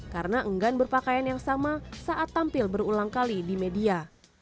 karena enggan berpakaian yang sama saat tampil berulang kali di media